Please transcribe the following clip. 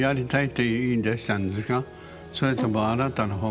それともあなたの方から？